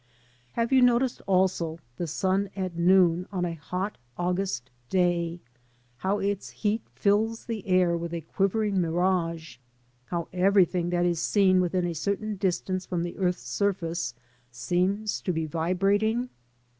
Have you noticed also the sun at noon on a hot August day, how its heat fills the air with a quivering mirage, how everything that is seen within a certain distance from the earth's surface seems to be vibrating?